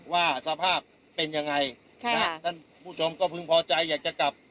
ว่าสภาพเป็นยังไงท่านผู้ชมก็พึงพอใจอยากจะกลับ